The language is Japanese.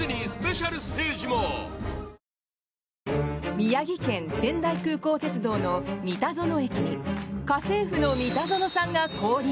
宮城県仙台空港鉄道の美田園駅に家政夫のミタゾノさんが降臨！